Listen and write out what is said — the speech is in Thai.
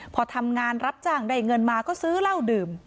พอทำงานรับจ้างได้เงินมาก็ซื้อเหล้าดื่ม